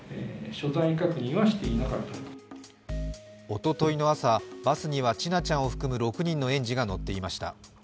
おとといの朝、バスには千奈ちゃんを含む６人の園児が乗っていました。